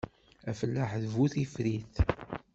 Afellaḥ d bu tefrit.